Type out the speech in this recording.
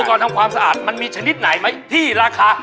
ก่อนทำความสะอาดมันมีชนิดไหนไหมที่ราคา